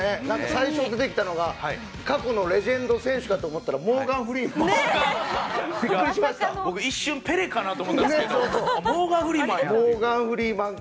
最初、出てきたのが過去のレジェンド選手かと思ったらモーガン・フリーマン。